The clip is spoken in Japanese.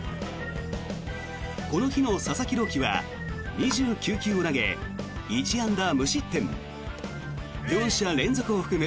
この日の佐々木朗希は２９球を投げ１安打無失点４者連続を含む